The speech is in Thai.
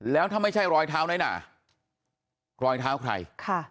แล้วถ้าไม่ใช่รอยเท้าน้อยหนารอยเท้าใคร